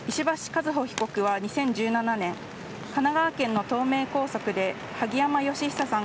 和歩被告は２０１７年神奈川県の東名高速で萩山嘉久さん